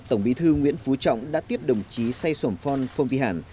tổng bí thư nguyễn phú trọng đã tiếp đồng chí say xuẩm phong phong vy hản